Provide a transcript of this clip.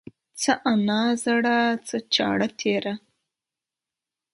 څه انا زړه ، څه چاړه تيره.